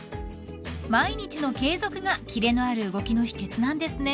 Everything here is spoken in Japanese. ［毎日の継続がキレのある動きの秘訣なんですね］